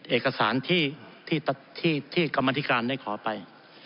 เอกสารที่กรรมธิการได้ขอไป